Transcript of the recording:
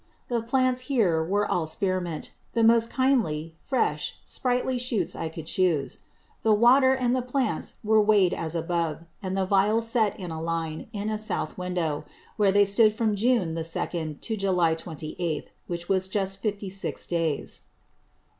The Plants here were all Spear Mint; the most kindly, fresh, sprightly Shoots I could chuse. The Water, and the Plants were weigh'd as above; and the Vials set in a Line, in a South Window: where they stood from June the 2d to July 28. which was just 56 Days.